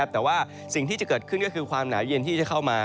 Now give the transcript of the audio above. แต่ว่าสิ่งที่จะเกิดขึ้นก็คือความหนาวเย็นที่จะเข้ามา